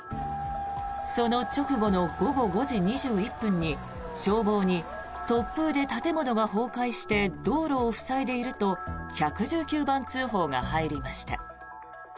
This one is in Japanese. その直後の午後５時２１分に消防に突風で建物が崩壊して道路を塞いでいると１１９番通報が入りました。